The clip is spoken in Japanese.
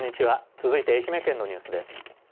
続いて愛媛県のニュースです。